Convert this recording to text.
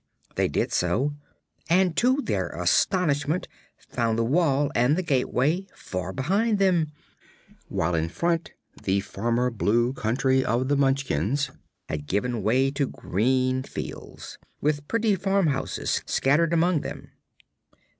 They did so, and to their astonishment found the wall and the gateway far behind them, while in front the former Blue Country of the Munchkins had given way to green fields, with pretty farm houses scattered among them.